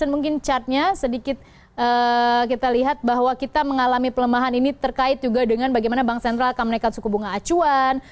mungkin catnya sedikit kita lihat bahwa kita mengalami pelemahan ini terkait juga dengan bagaimana bank sentral akan menaikkan suku bunga acuan